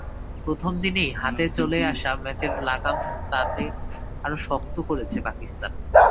প্রথম দিনেই হাতে চলে আসা ম্যাচের লাগাম তাতে আরও শক্ত করেছে পাকিস্তান।